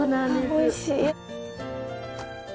おいしい。